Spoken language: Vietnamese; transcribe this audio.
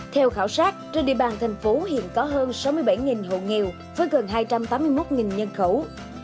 theo khảo sát trên địa bàn thành phố hiện có hơn sáu mươi bảy hộ nghèo với gần hai trăm tám mươi một nhân khẩu